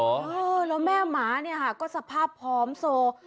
ใช่แล้วแม่หมาก็สภาพพร้อมโทร